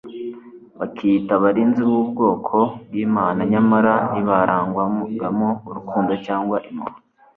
bakiyita abarinzi b'ubwoko bw'Imana, nyamara ntibarangwagamo urukundo cyangwa impuhwe.